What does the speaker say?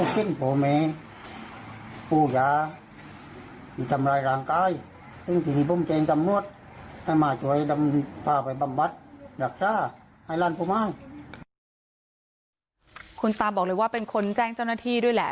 คุณตาบอกเลยว่าเป็นคนแจ้งเจ้าหน้าที่ด้วยแหละ